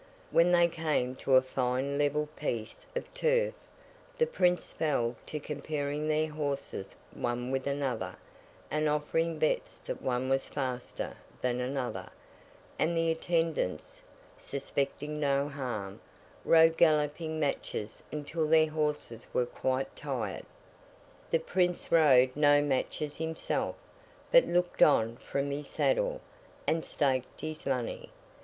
When they came to a fine level piece of turf, the Prince fell to comparing their horses one with another, and offering bets that one was faster than another; and the attendants, suspecting no harm, rode galloping matches until their horses were quite tired. The Prince rode no matches himself, but looked on from his saddle, and staked his money.